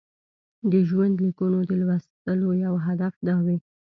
د ژوندلیکونو د لوستلو یو هدف دا وي.